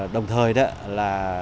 đồng thời là